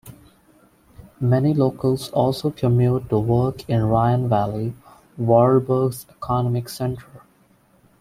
Many locals also commute to work in the Rhine Valley, Vorarlberg's economic centre.